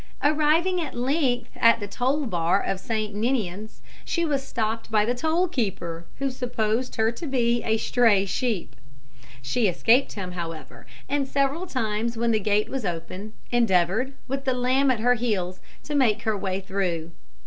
Arriving at length at the toll bar of Saint Ninians, she was stopped by the toll keeper, who supposed her to be a stray sheep. She escaped him, however, and several times when the gate was opened endeavoured, with the lamb at her heels, to make her way through.